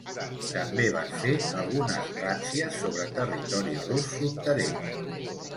També van fer algunes ràtzies sobre territori rus fronterer.